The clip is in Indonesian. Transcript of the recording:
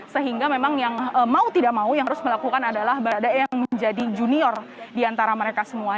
sehingga memang yang mau tidak mau yang harus melakukan adalah berada yang menjadi junior diantara mereka semua